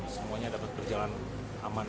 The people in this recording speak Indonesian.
semuanya dapat berjalan aman dan lancar